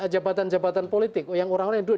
jabatan jabatan politik yang orang orang yang duduk